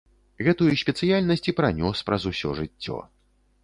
Гэтую спецыяльнасць і пранёс праз усё жыццё.